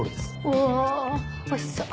うわおいしそう！